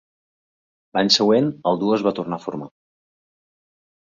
L'any següent, el duo es va tornar a formar.